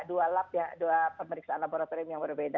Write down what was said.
dua lab ya dua pemeriksaan laboratorium yang berbeda